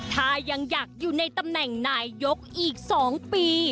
ถ้ายังอยากอยู่ในตำแหน่งนายยกอีก๒ปี